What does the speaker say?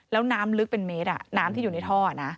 แล้วน้ำลึกเป็นเมตรน้ำที่อยู่ในท่อนะ